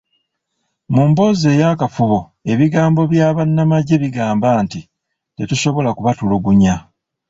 Mu mboozi ey'akafubo, ebigambo bya bannamagye bigamba nti, "Tetusobola kubatulugunya".